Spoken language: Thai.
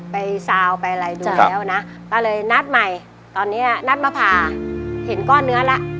ซาวไปอะไรดูแล้วนะป้าเลยนัดใหม่ตอนนี้นัดมาผ่าเห็นก้อนเนื้อแล้ว